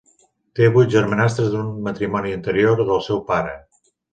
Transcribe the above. Té vuit germanastres d'un matrimoni anterior del seu pare.